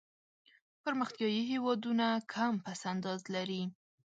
پرمختیایي هېوادونه کم پس انداز لري.